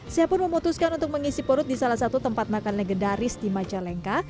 saya pun memutuskan untuk mengisi perut di salah satu tempat makan legendaris di majalengka